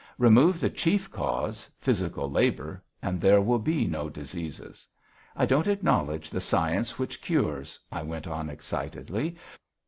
Remove the chief cause physical labour, and there will be no diseases. I don't acknowledge the science which cures," I went on excitedly.